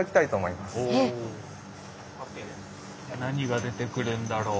何が出てくるんだろう？